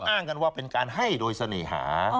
อ้างกันว่าเป็นการให้โดยเสน่หา